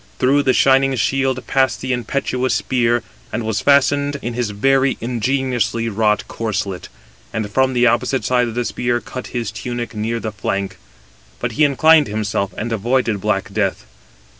Through the shining shield passed the impetuous spear, and was fastened in his very ingeniously wrought corslet, and from the opposite side the spear cut his tunic near the flank. But he inclined himself, and avoided black death.